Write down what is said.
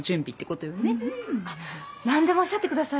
あっ何でもおっしゃってください